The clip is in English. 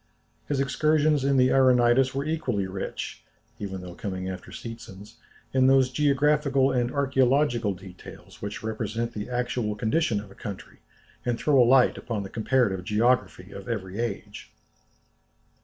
His excursions in the Auranitis were equally rich, even though coming after Seetzen's, in those geographical and archæological details which represent the actual condition of a country, and throw a light upon the comparative geography of every age.